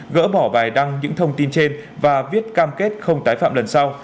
gỡ bỏ bài đăng những thông tin trên và viết cam kết không tái phạm lần sau